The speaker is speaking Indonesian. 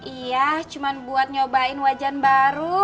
iya cuma buat nyobain wajan baru